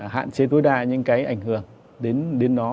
hạn chế tối đa những cái ảnh hưởng đến đó